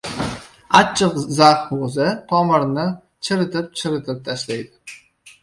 Achchig‘ zax g‘o‘za tomirini chiritib-chiritib tashlaydi.